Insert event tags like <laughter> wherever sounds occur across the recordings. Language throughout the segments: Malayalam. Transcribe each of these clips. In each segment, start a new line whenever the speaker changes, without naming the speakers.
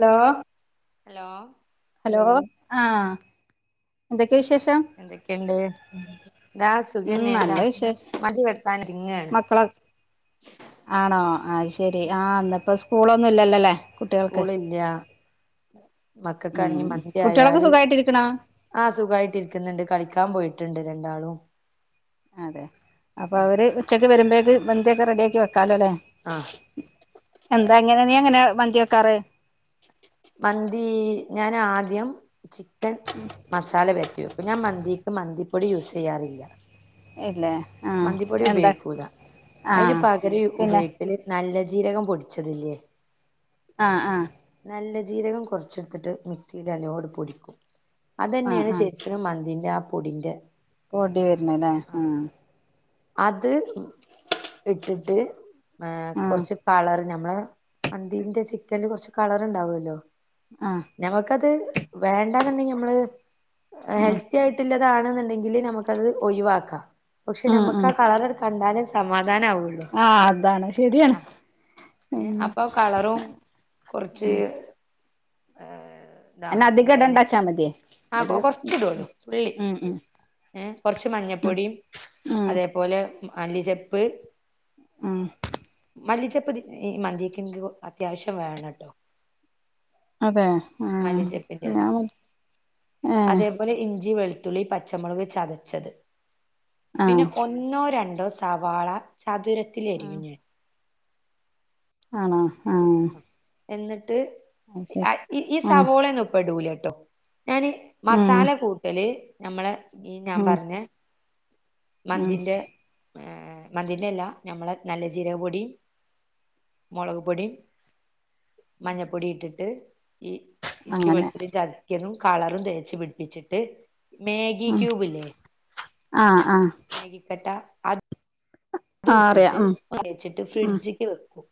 ഹലോ
ഹലോ
ഹലോ ആഹ് എന്തൊക്കെയ വിശേഷം
എന്തൊക്കെയിണ്ട് താ
ഉം
സുഖന്നെ മതി വെട്ടാനിങ്ങ്
മക്കളോ ആണോ അത് ശെരി ആഹ് ഇന്നിപ്പോ സ്കൂളൊന്നും ഇല്ലല്ലോലെ കുട്ട്യാൾക്ക്
സ്കൂളില്ല
ഉം
മക്കൾക്കാണെങ്കി
കുട്ട്യാളൊക്കെ സുഖമായിട്ടിരിക്കണ
ആഹ് സുഖമായിട്ട് ഇരിക്കുന്നുണ്ട് കളിക്കാൻ പോയിട്ടുണ്ട് രണ്ടാളും
അതെ അപ്പൊ അവര് ഉച്ചക്ക് വരുമ്പോഴേക്ക് മന്തിയൊക്കെ റെഡിയാക്കി വെക്കാലോല്ലേ.
ആഹ്
എന്താ എങ്ങനെ നീ എങ്ങനെ മന്തി വെക്കാറ്
മന്തി ഞാൻ ആദ്യം ചിക്കൻ
ഉം
മസാല പെരട്ടി വെക്കും ഞാൻ മന്തീക്ക് മന്തിപ്പൊടി യൂസ് ചെയ്യാറില്ല.
ഇല്ലേ ആഹ്
മന്തിപ്പൊടി
എന്താ
ഉപയോഗിക്കൂല അതിന്
ആഹ്
പകരം ഉപയോഗി പിന്നെ നല്ല ജീരകം പൊടിച്ചതില്ലേ
ആ ആ
നല്ല ജീരകം കൊറച്ട്ത്ത്ട്ട് മിക്സിൽ നല്ലോങ്ങ്ട്ട് പൊടിക്കും
ആഹ്
അതന്നെണ്
ആഹ്
ശരിക്ക്നും മന്തിന്റെ ആ പൊടിന്റെ
പൊടി വര്ണലെ ആ
അത് ഇട്ടിട്ട് ഏ
ആഹ്
കൊറച്ച് കളർ നമ്മളെ മന്തിന്റെ ചിക്കന്ല് കൊറച്ച് കളർണ്ടാവല്ലോ.
ആഹ്
ഞമ്മക്കത് വേണ്ടാന്ന്ണ്ടെങ്കി നമ്മള്
ആഹ്
ഹെൽത്തി ആയിട്ടില്ല താണ്ന്ന്ണ്ടെങ്കില് നമുക്കത് ഒഴിവാക്കാം പക്ഷെ
ഉം
നമുക്കാ
ഉം
കളർ കണ്ടാലേ സമാധാനാവുള്ളൂ
ആഹ് അതാണ് ശെരിയാണ്
ഏ അപ്പൊ കളറും കൊറച്ച് ഏ
അയ്ൻ അധികടണ്ടാച്ചാമതി
ആ കൊ കൊറച്ട്ള്ളൂ തുള്ളി ഏ കൊറച്ച്
ഉം
മഞ്ഞപ്പൊടിം
ഉം
അതേ പോലെ മല്ലിചപ്പ്
ഉം
മല്ലിചെപ്പ് തി ഈ മന്തീക്ക്ൻക്ക് അത്യാവിശ്യം വേണട്ടോ
അതെ ആ
മല്ലിച്ചപ്പിന്റെ ഇല
ഞാൻ ഉ
അതേപോലെ ഇഞ്ചി വെളുത്തുള്ളി പച്ചമുളക് ചതച്ചത്
ആഹ്
പിന്നെ ഒന്നോ രണ്ടോ സവാള
ആഹ്
ചതുരത്തിലരിഞ്
ആണോ ആഹ്
എന്നിട്ട്
അത് ശരി
ആ ഇ ഈ
ഉം
സവോളെന്നും ഇപ്പടൂലട്ടോ ഞാന്
ഉം
മസാല കൂട്ടല് ഞമ്മളെ ഈ ഞാൻ
ഉം
പറഞ്ഞ
ഉം
മന്തിന്റെ ഏ മന്തിന്റെ അല്ല ഞമ്മളെ നല്ല ജീരക പൊടി മൊളക്പൊടിം മഞ്ഞപ്പൊടി ഇട്ടിട്ട് ഈ ഇഞ്ചി
അങ്ങനെ
വെളുതുള്ളി ചത കിയതും കളറും തേച്ച് പിടിപ്പിച്ചിട്ട് മാഗി ക്യൂബ് ല്ലേ
അ ആ
മേഗി കട്ട അത് അതും
ആഹ് അറിയാം
ഇട്ടിട്ട്
ഉം
തേച്ട്ട്
ഉം
ഫ്രിഡ്ജിക്ക് വെക്കും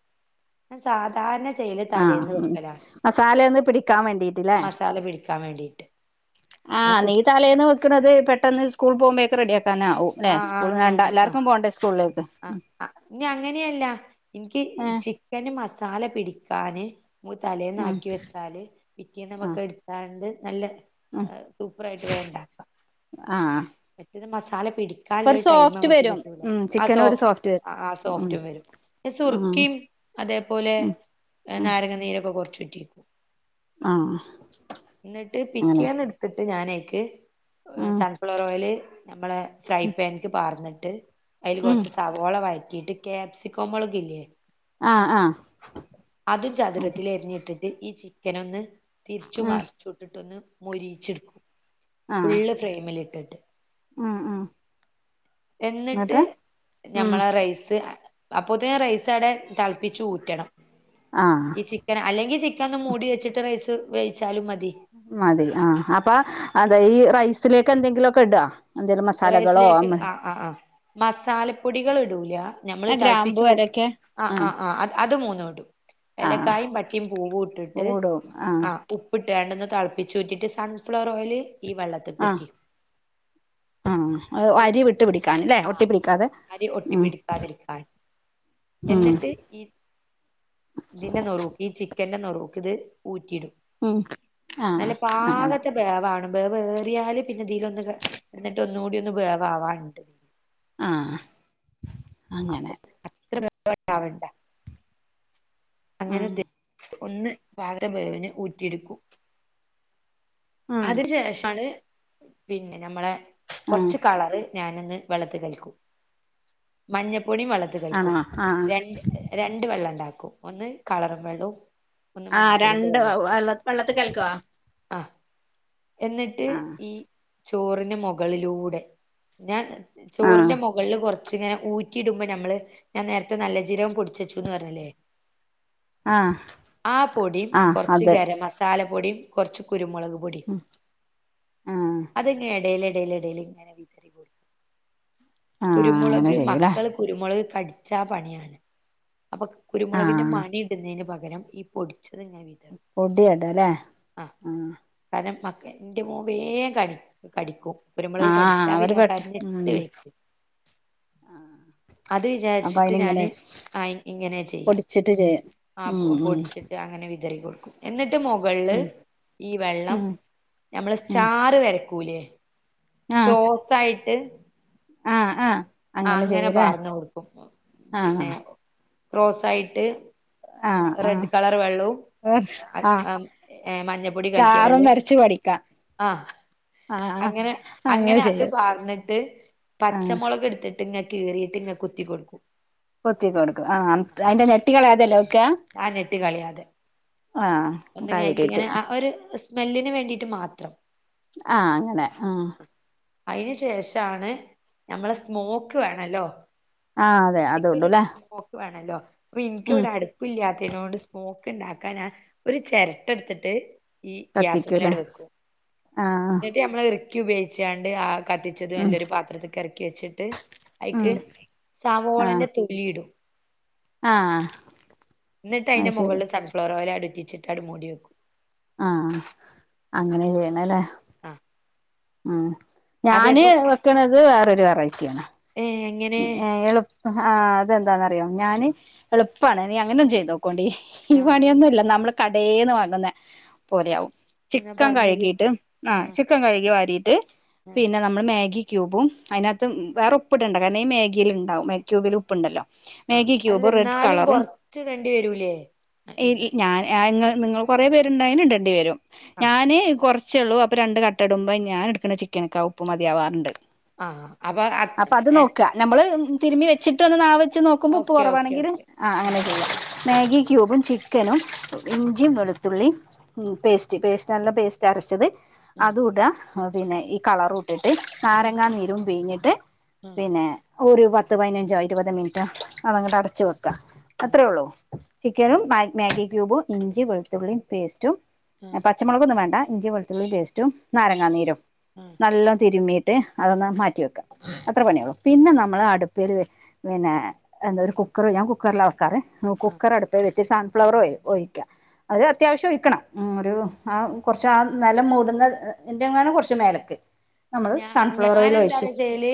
ന്ന്ട്ട് സാധാരണ ചെയ്യല്
ആ
തലേന്ന്
ഉം
വെക്കലാണ്
മസാലൊന്ന് പിടിക്കാൻ വേണ്ടിട്ട് ല്ലേ
മസാല പിടിക്കാൻ വേണ്ടിട്ട്
ആഹ് നീ തലേന്ന് വെക്ക്ണത് പെട്ടെന്ന് സ്കൂൾ പോകുമ്പഴേക്ക് റെഡിയാക്കാനാവും. ലെ
ആ
സ്കൂൾ
ആണ് ആണ് ആ
വേണ്ടഎല്ലാർക്കും പോണ്ടെ സ്കൂളിലേക്ക്
ആ അ ഇനി അങ്ങനെയല്ല ഇന്ക്ക്
ഏഹ്
ചിക്കന് മസാല പിടിക്കാന് മൂ
ഉം
തലേന്നാക്കി വെച്ചാല് പിറ്റേന്ന്
ആഹ്
നമുക്ക് ഇട്ത്താണ്ട് നല്ല
ഉം
ഏ സൂപ്പറായിട്ട് വേണ്ടാക്കാം.
ആഹ്
മറ്റേത് മസാല
അപ്പൊ ഒരു
പിടികാല്ലൊരു
സോഫ്റ്റ്
ടൈംമമ്മക്ക്
വരും
കിട്ടൂല
ഉം
ആ
ചിക്കനും ഒരു
സോഫ്
സോഫ്റ്റ്
ആ
വരും ഉം
സോഫ്റ്റും വരും. റ്റ്
ഉം
സുർക്കിം അതേപോലെ
ഉം
ഏ
ഉം
നാരങ്ങനീരൊക്കെ കൊറച്ച്റ്റി
അ ആഹ്
ന്ന്ട്ട്
അങ്ങനെ
പിറ്റേന്ന്ട്ത്ത്ട്ട് ഞാനയ്ക്ക്
ഉം
സൺഫ്ലവർ ഓയില് നമ്മളെ ഫ്രൈ പാൻക്ക് പാർന്ന്ട്ട് അതില്
ഉം
കൊറച്ച് സു. സവോള വയറ്റീട്ട് ക്യാപ്സിക്കോമൊളകില്ലേ
ആഹ് ആഹ്
അ അതും
അത്
ചതുരത്തിലരിഞ്ഞിട്ട് ഈ ചിക്കനൊന്ന് തിരിച്ചും
ഉം
മർച്ചുട്ട്ട്ടൊന്ന് മൊരിയിച്ചെടുക്കും
ആഹ്
ഫുള്ള് ഫ്രെയിമിൽ ഇട്ടിട്ട്
ഉം ഉം
എന്നിട്ട്
ഉം
ഞമ്മളാ റൈസ് അപ്പോത്തിനും റൈസ് അടെ തളപ്പിച്ച് ഊറ്റണം
ആഹ്
ഈ ചിക്കൻ അല്ലെങ്കിൽ ചിക്കൻ ഒന്ന് മൂടി വെച്ചിട്ട് റൈസ് വേവിച്ചാലും മതി
മതി ആഹ അപ്പൊ
ആ
അത ഈ റൈസിലേക്ക എന്തെങ്കിലുമൊക്കെ ഇടോ എന്തേലും മസാലകളോ
റൈസിലേക്ക്
അമ്മ
ആ ആ ആഹ് മസാലപ്പൊടികൾ ഇടൂല നമ്മള്
ആഹ് ഗ്രാമ്പൂ
തളപ്പിച്ചു കു
അതൊക്കെ
ആ ആഹ് ആഹ് അത് അത് മൂന്ന ഇടും
ആഹ്
എലക്കായും പട്ടിയും പൂവും ഇട്ടിട്ട്
ഓടും ആഹ്
ആഹ ഉപ്പ്ട്ടാണ്ട് ഒന്ന് തളപ്പിച്ച് ഊറ്റിട്ട് സൺഫ്ലവർ ഓയില് ഈ വെള്ളത്തിൽ
ആഹ് ആ
ഇത്
അരി വിട്ടു പിടിക്കൻല്ലേ ഒട്ടി
ആഹ് ആഹ്
പിടിക്കാതെ
അരി
ഉ
ഒട്ടിപ്പിടിക്കാതിരിക്കാൻ എന്നിട്ട് ഈ ഇതിന്റെ നുറുക്ക് ഈ ചിക്കന്റെ നുറുക്ക് ഇത് ഊറ്റിയിടും
ഉം ആഹ്
നല്ല
അങ്ങനെ
പാകത്തെ ബേവാണ് ബേവേറിയാല് പിന്നെതിലൊന്ന് ഒന്നുകൂടി ഒന്ന് വേവാവണ്ട്
ആഹ്
അപ്പൊ
അങ്ങനെ
അത്രണ്ടാവണ്ട അങ്ങനെ
ഉം
ഒന്ന് പാകത്തെ വേവിന് ഊറ്റിയെടുക്കു
ആഹ്
അതിന ശേഷമാണ് പിന്നെ നമ്മളെ
ആഹ്
കുറച്ച് കളറ് ഞാനന്ന് വള്ളത്തിൽ കൽക്കും മഞ്ഞപ്പൊടിയും വള്ളത്തിൽ
ആണോ
കൽക്കും
ആഹ്
രണ്ട് രണ്ട് വെള്ളം ഉണ്ടാക്കും ഒന്ന് കളറും വെള്ളവും ഒന്ന്
ആ
മഞ്ഞപ്പൊടിന്റെ
രണ്ട വള്ള വെള്ളത്തി കൽക്കുവോ
ആഹ എന്നിട്ട്
ആഹ്
ഈ ചോറിന് മുകളിലൂടെ ഞാൻ
ആഹ്
ചോറിന്റെ മുകളില് കുറച്ചിങ്ങനെ ഊ റ്റി ഇടുമ്പോ നമ്മള് ഞാൻ നേരത്തെ നല്ല ജീരകം പൊട്ടിച്ചച്ചുന്ന് പറഞ്ഞില്ലേ
ആഹ്
ആ പൊടിയും
ആഹ്
കുറച്ച്
അത്
ഗരം മസാല പൊടിയും കുറച്ച് കുരുമുളക് പൊടിയും
ഉം
അതെങ്ങനെ എടേല് ഡെലേ ഡെല ഇങ്ങനെ കൊടുക്കും
ആഹ് അങ്ങനെ
കുരുമുളക്
ചെയ്യൂലേ
മക്കൾ കുരുമുളക് കടിച്ച പണിയാണ് അപ്പൊ കുരുമുളകിന്റെ
ആഹ്
മണി ഇടുന്നതിന് പകരം ഈ പൊടിച്ചത് ഞാൻ
പൊടിയടലേ ആഹ
കാരണം മക ന്റെ മോൻ വേഗം കടിക്കും കുരുമുളക് കടിച്ചാ പിന്നെ ഓൻ കരഞ്ഞിട്ട് വെയ്
ആഹ
അത് വിചാരിച്ചിട്ട് ഞാന് ഇങ്ങനെ ചെയ്യാ
ചട്ട് ചെ
ആ പൊടിച്ചിട്ട് അങ്ങനെ വിതറി കൊടുക്കും എന്നിട്ട് മുകളില്
ഉം
ഈ വെള്ളം
ഉം
നമ്മള്
ഉം
ചാറ് വരക്കൂലേ
ആഹ്
ക്രോസ് ആയിട്ട് ന്ന്ട്ട്
ആഹ് ആഹ
ആ അങ്ങനെ പാർന്ന് കൊടുക്കും
ആഹ്
പിന്നെ ക്രോസ് ആയിട്ട്
ആഹ്
റെഡ്
ആഹ്
കളർ വെള്ളുവും
ആഹ്
അ ഏ മഞ്ഞപ്പൊടി കലക്കിയ
സ്റ്റാറും
വെള്ളവും
വരച്ച് പഠിക്കാം
ആഹ്
ആഹ്
അങ്ങനെ അങ്ങനെ അത് പാർന്നിട്ട്
ആഹ്
പച്ചമുളക് എടുത്ത് കീറിട്ട് ഇങ്ങനെ കുത്തി കൊടുക്കു
കൊത്തി കൊടുക്കും ആ അതിന്റെ നെട്ടി കളയാതല്ലെ വെക്കാ
ആ നെട്ടി കളയാതെ
ആഹ്
അയ്ക്ക്
കഴുകിട്ട്
ഇങ്ങനെ ആ ഒരു സ്മെല്ലിന് വേണ്ടിയിട്ട് മാത്രം
ആഹ അങ്ങനെ ആ
അയിന് ശേഷണ് നമ്മളെ സ്മോക്ക് വേണല്ലോ
ആഹ് അതെ
എന്തക്കൊരു
അതോണ്ടൂല്ലേ
സ്മോക്ക് വേണല്ലോ അപ്പൊ
ഉം
എനിക്കിവിടെ അടു ല്ലാത്തിനോട് സ്മോക്ക് ഇണ്ടാക്കാൻ ഞാൻ ഒരു ചെരട്ട എടുത്തിട്ട് ഈ
കത്തിക്കൂല്ലേ
ഗ്യാസിന്മേലങ്ങ്ട് വെക്കും
ആഹ്
എന്നിട്ട് നമ്മള് ഈർക്കി ഉപയോഗിച്ചാണ്ട് ആഹ് കത്തിച്ചത്
ഉം
നല്ലൊരു പാത്രത്തിക്ക് ഇറക്കി വെച്ചിട്ട്
ഉം
അയ്ക്ക്
ആഹ്
സാവോളന്റെ തൊലിയിടും
ആഹ്
എന്നിട്ട്
അത്
അയ്ന്റെ
ശരി
മുകളില് സൺഫ്ലവർ ഓയില് ച്ചിട്ട് അങ്ങ്ട് മൂടി വക്കും
ആഹ് അങ്ങനെ ചെയ്യണേല്ലേ
ആഹ്
ഉം ഞാന് വെക്കണത് വേറൊരു വെറൈറ്റിയാണ്
ഏഹ്
ഏഹ് എളുപ്പ ആഹ് അതെന്താന്നറിയോ ഞാന് എളുപ്പാണ് നീ അങ്ങനൊന്ന് ചെയ്ത് നോക്കേണ്ടീ ഈ
ആ
പണിയൊന്നുല്ല നമ്മള് കടേന്ന് വാങ്ങുന്ന പോലെയാവും
ഞാൻ
ചിക്കൻ
പറഞ്ഞത്
കഴുകിട്ട് ആഹ്
ആ
ചിക്കൻ കഴുകി വാരിട്ട്
ആ
പിന്നെ നമ്മള് മാഗി ക്യൂബും അതിനാത്ത് വേറെ ഉപ്പിട്ടണ്ട കാരണം ഈ മാഗിലിണ്ടാവും മാഗി ക്യൂബിൽ ഉപ്പുണ്ടല്ലോ
ആഹ്
മാഗി
അല്ല
ക്യൂബ് റെഡ്
എന്നാലും
കളറും
കൊറച്ച് ടണ്ടി വരൂലേ
ഞാന് അ നിങ്ങള് കൊറെ പേരുണ്ടായിന് ഇടേണ്ടി വരും
ആ
ഞാന് കുറ ഛെള്ളൂ അപ്പൊ രണ്ട് കട്ട ഇടുമ്പം ഞാൻ എടുക്ക്ണ ചിക്കനൊക്കെ ആ ഉപ്പ് മതിയാവാറുണ്ട്
ആഹ് അപ്പൊ ആഹ്
അപ്പൊ അത്
ഞ
നോക്കുക നമ്മള് തിരുമ്പി വച്ചിട്ട് ഒന്ന് നാവെച്ച് നോക്കുമ്പോ ഉപ്പ്
ഓക്കെ ഓക്കെ
കുറവാണെങ്കില്
ഓക്കെ
ആഹ്
ആ
അങ്ങനെ ചെയ്യാം
ഇടാം
മാഗി ക്യൂബും ചിക്കനും
ആ
ഇഞ്ചിയും വെളുത്തുള്ളി പേസ്റ്റ് പേസ്റ്റ് നല്ല പേസ്റ്റ് ച്ചി അരച്ചത്
ആ
അതൂടുക പിന്നെ ഈ കളർ ഇട്ടിട്ട്
ആ
നാരങ്ങ നീരും പിഞ്ഞിട്ട്
ആ ആ
ന്നെ ഒരു പത്ത് പതിനഞ്ചോ ഇരുപത് മിനിറ്റോ അതങ്ങോട്ട് അടച്ചു വെ ക്ക അത്രള്ളൂ ചിക്കനും മാഗി ക്യൂബും ഇഞ്ചി വെളുത്തുള്ളിയും പേസ്റ്റും
ആ ആ
പച്ചമുളകൊന്നും വേണ്ട ഇഞ്ചിം വെളുത്തുള്ളി പേസ്റ്റും നാരങ്ങാനീരും നല്ലോ തിരുമീ ട്ട് അതൊന്ന് മാറ്റിവെക്ക അത്ര പണിയുള്ളൂ പിന്നെ നമ്മള് അടുപ്പില് പിന്നെ എന്താ ഒരു കുക്കർ ഞാൻ കുക്കറിലാ വേ ക്കാർ
ആ
കുക്കറ് അടുപ്പേ വെച്ച് സൺഫ്ലവർ ഓയിൽ ഓയിക്കാം അത് അത്യാവശ്യം ഒഴിക്കണം മ് ഒരു ആഹ് കുറച്ച് ആ നിലം മൂടുന്ന ൻ്റെങ്ങാണ് കുറച്ച് മേലേക്ക് <inaudible>
ഞാ ഞാനെന്താ ചെയ്യല്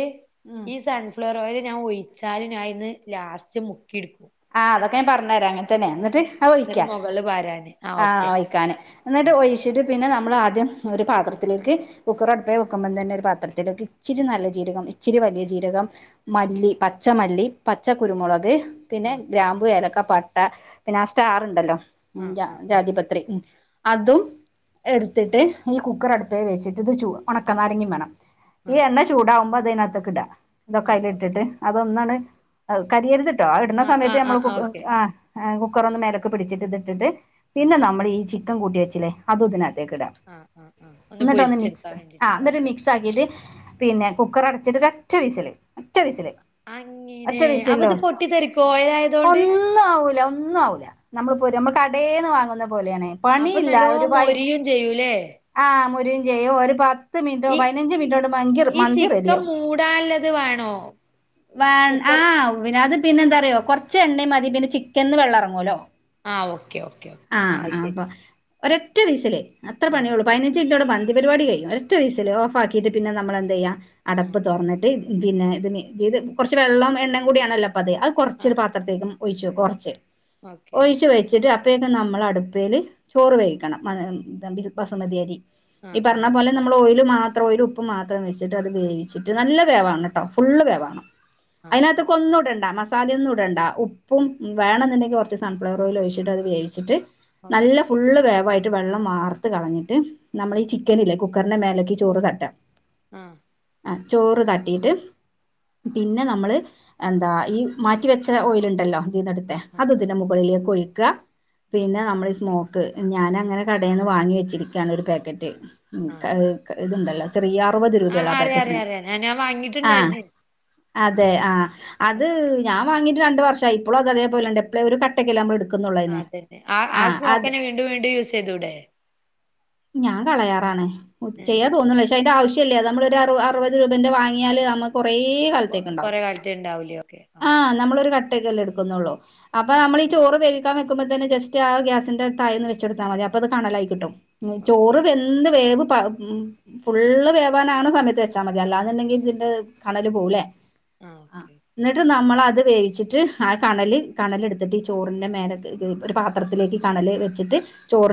ഉം
ഈ സൺഫ്ലവർ ഓയില് ഞാൻ ഒയിച്ചാലും ഞാൻ അയിന്ന് ലാസ്റ്റ് മുക്കിടുക്കും
ആഹ് അതൊക്കെ ഞാൻ പറഞ്ഞരാം അങ്ങനെ തന്നാ എന്നിട്ട് അത്
എന്നിട്ട്
ഒയിക്കാ
മുകളില് പാരാന് ആ
ആഹ്
ഓക്കെ
ഒയിക്കാന് എന്നിട്ട്
ആ
ഒഴിച്ചിട്ട് പിന്നെ നമ്മളാദ്യം ഒരു പാത്രത്തിലേക്ക് കുക്കർ അടുപ്പേ വെക്കുമ്പോം തന്നെ ഒരു പാത്രത്തിലേക്ക് ഇച്ചിരി നല്ല ജീരകം ഇച്ചിരി വലിയ ജീരകം മല്ലി പച്ചമല്ലി പച്ചക്കുരുമുളക് പിന്നെ ഗ്രാമ്പു ഏലക്ക പ ട്ട പിന്നെ ആ സ്റ്റാറുണ്ടല്ലോ
ആ
ജാ
ആ ആ
ജാതിപത്രി അതും എടുത്തിട്ട് ഈ കുക്കർ അടുപ്പേ വെച്ചിട്ട്ത് ചൂ ഉണക്കനാരങ്ങയും വേണം
ആ ആ
ഈ എണ്ണ ചൂടാവുമ്പോ അതിനാത്തേക്ക് ഇടാ ഇതൊക്കെ
ആ ആ
അയിലിട്ടിട്ട്
ഓക്കെ
അതൊന്നാണ് കരിയരുതിട്ടോ ആ ഇടണ
ആ
സമയത്ത്
ആ
നമ്മള് കു
ആ ഓക്കെ
ആഹ് കുക്കറൊന്ന് മേലേക്ക് പിടിച്ചിട്ട് ഇതിട്ടിട്ട് പിന്നെ നമ്മളീ ചിക്കൻ കൂട്ടി വെച്ചില്ലേ അതും ഇതിനാത്തേക്ക് ഇടുക
ആഹ് ആഹ് ആഹ് ഒന്ന് പൊരിച്ചെടുക്കാൻ വേണ്ടീട്ട് ഓക്കെ
ത്തക്കിട് പിന്നെ കുക്കർ അടച്ചിട്ട് ഒറ്റ വിസില് ഒറ്റ വിസില് ഒറ്റ
അങ്ങനെ അവത്
വിസിലോ
പൊട്ടിത്തെറിക്കോ ഏ
ഒന്നും ആവൂല്ല ഒന്നും ആവൂല്ല നമ്മള് പോര് നമ്മുടെ കടേന്ന് വാങ്ങുന്ന പോലെയാണേ
അപ്പൊ നല്ലോം മൊരിയും ചെയ്യൂലേ
ആഹ് മൊരീം ചെയ്യും ഒരു പ പത്ത് മിനിറ്റോ
ഈ
പതിനഞ്ച് മിനിറ്റോണ്ട് മങ്കി
ഈ
മന്തി
ചിക്കൻ
റെഡിയാവും
മൂടാള്ളത് വേണോ
വ
കുക്കർ
ആഹ് പിന്നെ അത് പിന്നെ എന്താറിയോ കൊറച്ച് എണ്ണയും മതി പിന്നെ ചിക്കൻന്ന് വെള്ളെറങ്ങൂലോ
ആ ഓക്കെ ഓക്കെ ഓക്കെ
ആഹ്
ആ
ആഹ്
ശരി
അപ്പൊ ഒരൊറ്റ വീസില് അത്ര
ആ
പണിയുള്ളൂ പതിനഞ്ച് മിനിറ്റോടെ പരിപാടി കഴിയും ഒരൊറ്റ വിസില് ഓഫ് ആക്കിയിട്ട് പിന്നെ നമ്മളെന്തെയ്യാ
ആ
അടപ്പ് തുറന്നിട്ട് പിന്നെ ഇത് ഇത് കുറച്ച് വെള്ളോം എണ്ണേം കൂടിയാണല്ലോ പ്പത് അത് കൊറ
ആ
ചൊരു പാത്രത്തേക്കും ഒഴിച്ചു കൊറച്ച്
ഓക്കെ
ഒഴിച്ച് വച് ച്ചിട്ട് അപ്പൊഴേക്കും നമ്മള് അടുപ്പേല് ചോറ് വേവിക്കണം <unintelligible> ബസുമതിയരി
ആ
ഈ
ആ
പറഞ്ഞ പോലെ നമ്മള് ഓയില് മാത്രം ഓയില് ഉപ്പും മാത്രം വെച്ചിട്ട് അത് വേവിച്ചിട്ട് നല്ല വേവാവ്വണംട്ടോ ഫുള്ള്
ആ
വേവാവണം
ആ ആ
അതിനകത്ക്കൊന്നും ഇടണ്ട മസാല ഒന്നും ഇട്‌ ടണ്ട ഉപ്പും വേണന്ന്ണ്ടെങ്കിൽ കൊറച്ച് സൺഫ്ലവർ ഓയില് ഒഴിച്ചിട്ട് അത് വേവിച്ചിട്ട് നല്ല
ഓക്കെ
ഫുള്ള് വേവായിട്ട് വെള്ളം വാർത്ത് കളഞ്ഞിട്ട്
ആ
നമ്മളി ചി ക്കനില്ലേ കുക്കറിന്റെ മേലേക്ക് ചോറ് തട്ടാം
ആഹ്
ആ ചോറ് തട്ടിട്ട് പിന്നെ നമ്മള് എന്താ ഈ മാറ്റിവെച്ച ത്ത ഓയിലുണ്ടല്ലോ
ആ
ഇതിന്നെടുത്തെ അത്
ആ ആ
ഇതിന്റെ മുകളിലേക്ക് ഒഴിക്ക പിന്നെ നമ്മൾ ഈ സ്മോക്ക് ഞാനങ്ങനെ കടേന്ന് വാങ്ങി വെച്ചിരിക്കാണ് ഒരു പേക്കറ്റ് ഉം
ആ
ഇതുണ്ടല്ലോ ചെറിയ അറുപത് രൂപള്ളൂ ആ
അറിയാം
പേക്കറ്റിന്
അറിയാം അറിയാം ഞാൻ ഞാൻ
ആഹ്
വാങ്ങിട്ടുണ്ടായിരുന്നു
അതെ ആഹ് അത്
ഓക്കെ
ഞാൻ വാങ്ങിട്ട് രണ്ട് വർഷായി ഇപ്പോളും അത് അതേപോലുണ്ട് പ്പളേ ഒരു കട്ടക്കൊല്ലേ നമ്മള് എടുക്കുന്നുള്ളോ അതീന്ന്
അതന്നെ ആ ആ
ആഹ് അത്
സ്മോക്കന്നെ വീണ്ടും വീണ്ടും യൂസ് ചെയ്തൂടെ
ഞാൻ കളയാറാണ്
ഏ
ഉച്ചായ തോന്നും വെഷ അതിന്റെ ആവശ്യല്ല്യ നമ്മളൊരു അറു അറുപത് രൂപേന്റെ വാങ്ങ്യാല് നമ്മു
അപ്പൊ കൊറെ കാലത്തേക്ക് ഇണ്ടാവൂലേ ഒക്കെ ആ
ആഹ് നമ്മളൊരു കട്ടൊക്കല്ലേ എടുക്കുന്നുള്ളൂ അപ്പൊ
ആ
നമ്മളി ചോറ് വേ ക്കാൻ വെക്കുമ്പോ തന്നെ ജസ്റ്റ് ആ ഗ്യാസിന്റെ താഴെ ഒന്ന് വെച്ചോടുത്താൽ മതി ഇത് കണലായി കിട്ടും
ഓക്കെ
ചോറ് വെൻ വെന്ത് വേവ് പ ഉം ഫുള്ള് വേവാനാണ സമയത്ത് വെച്ചാൽ മതി അല്ലാന്നുണ്ടെങ്കിൽ ഇതിന്റെ കണല് പോവൂലേ
ആഹ് ഓക്കേ
ത് നമ്മളത് വേവിച്ചിട്ട് ആ കണല് കണലെടുത്തിട്ട് ഈ ചോറിന്റെ മേലേക്ക് ഒരു പാ ത്രത്തിലേക്ക് കണല് വെച്ചിട്ട്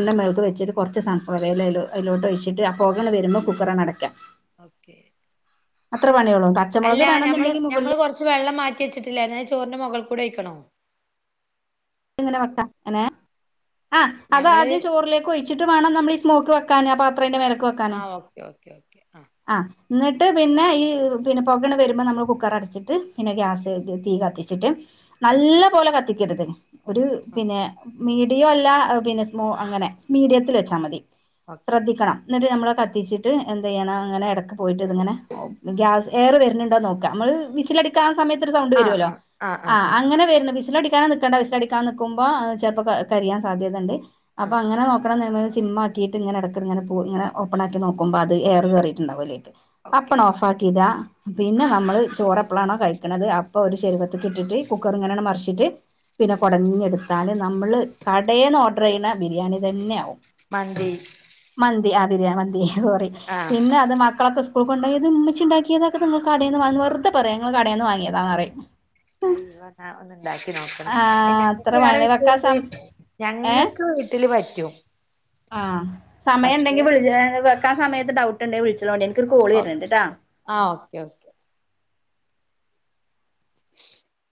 ആ
മേലേക്ക് വെച്ചിട്ട് കൊറച്ച് സൺഫ്ലവർ ഓയില് അയ്ലോ അയ്ലോട്ട് ഒഴിച്ചിട്ട് ആ പൊകങ്ങട്ട് വരുമ്പോൾ കുക്കറണ്ട് അടക്ക
ഓക്കെ
അത്ര പണ്യോള്ളൂ കച്ചമുളക്
അല്ല ഞമ്മള്
വേണന്നുണ്ടെങ്കിൽ മുകളില്
ഞമ്മള് കൊറച്ച് വെള്ളം മാറ്റി വെച്ചിട്ടില്ലെ ഞാൻ ഈ ചോറിന്റെ മൊകൾ കൂടെ ഒഴിക്കണോ
ങ്ങനെ വെക്കാ എങ്ങനെ ആ
ഞമ്മള്
അതാദ്യം ചോറിലേക്ക് ഒഴിച്ചിട്ട് വേണം നമ്മളി സ്മോക്ക് വെക്കാന് ആ പാത്രയിന്റെ മേലേക്ക് വെക്
ആഹ് ഓക്കെ ഓക്കേ ഓക്കെ ആഹ്
ആഹ് ന്നിട്ട് പിന്നെ ഈ പിന്നെ പൊകണ്ട് വരുമ്പോ നമ്മള് കുക്കർ അടച്ചിട്ട് പിന്നെ ഗ്യാസ് തീ കത്തിച്ച് ച്ചിട്ട് നല്ല പോലെ കത്തിക്കരുത് ഒരു പിന്നെ മീഡിയം അല്ല പിന്നെ സ്‌മോ അങ്ങനെ മീഡിയത്തിൽ വെച്ചാ മതി
ഓക്കെ
ശ്രദ്ധിക്കണം എന്നിട്ട് നമ്മള് കത്തിച്ചിട്ട് എന്ത്യ്യണം അങ്ങനെ എടക്ക് പോയിട്ട് ഇത്ങ്ങനെ ഓ ഗ്യാസ് എയറ് വരണുണ്ടോ നോക്കാ അമ്മൾ വിസിലടി ക്കാൻ സമയത്തൊരു സൗണ്ട്
ആ
വരുമല്ലോ
ആ ആ ആ
ആഹ്
ആ
അങ്ങനെ വരുന്ന വിസിലടിക്കാൻ നിക്കണ്ട വിസിലടി ക്കാൻ നിക്കുമ്പോ ചെലപ്പോ കരിയാൻ സാധ്യതണ്ട്
ആ
അപ്പൊ അങ്ങനെ നോക്കണം സിമ്മാ കീട്ട് ഇങ്ങനെ എടക്ക്‌ങ്ങനെ പോ ഇങ്ങനെ ഓപ്പൺ ആക്കി നോക്കുമ്പോ അത് എയറ് കേറിട്ട്ണ്ടാവും അയ്ലേക്ക്
ഓക്കെ
അപ്പണ ഓഫ് ആക്കിടാ പിന്നെ നമ്മള് ചോറെപ്പളാണോ കഴിക്കണത് അപ്പൊ ഒരു ശെരുവ ക്ക്‌ട്ടിട്ട് കുക്കർ ഇങ്ങനങ്കട്‌ മറിച്ചിട്ട് ഇങ്ങെടുത്താല് നമ്മള് കടെന്ന് ഓഡറെയ്യിണ ബിരിയാണി തന്നാവും
മന്തി
മന്തി ആഹ് ബിരിയാണി മന്തി സോറി
ആ
പിന്നെ അത് മക്കളൊക്കെ സ് കൂളിൽ കൊണ്ടോയത് ഉമ്മച്ചി ഇണ്ടാക്കിയതാ ഇത് ഇങ്ങള് കടെന്ന് വാങ്ങി വെറുതെ പറയാ ഇങ്ങള് കടേന്ന് വാങ്ങിയതാ പറയും
ഹൈവാ ഇന്നാ ഒന്ന് ഇണ്ടാക്കി നോക്കെണം
ആ
അയിന്
അത്ര
ഞങ്ങെക്ക് വേറെ
വാങ്ങല്
വിഷയം
വെക്കാ
ഇണ്ട്
സം ഏഹ്
ഞങ്ങക്ക് വീട്ട്‌ൽ പറ്റും
ആഹ്
പക്ഷെ
സമയണ്ടെങ്കി വിൾ ഏഹ് വെക്കാൻ സമയെത്ത് ഡൗട്ട് ഇണ്ടെങ്കി വിള്ച്ചോളെണ്ടി എന്ക്കൊരു കോള് വെര്ൺണ്ട് ഇട്ടോ
ആഹ് ഓക്കെ ഓക്കെ <inaudible>